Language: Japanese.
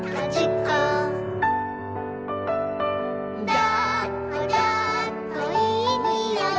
「だっこだっこいいにおい」